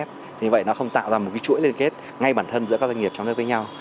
thì vậy nó không tạo ra một chuỗi liên kết ngay bản thân giữa các doanh nghiệp trong nước với nhau